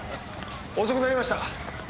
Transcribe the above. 遅くなりました。